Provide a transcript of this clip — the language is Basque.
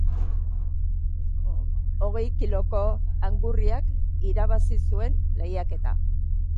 Hogei kiloko angurriak irabazi zuen lehiaketa